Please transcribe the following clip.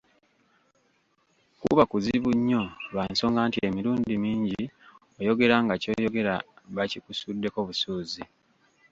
Kuba kuzibu nnyo lwa nsonga nti emirundi mingi oyogera nga ky'oyogera bakikisuddeko busuuzi.